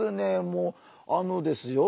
もうあのですよ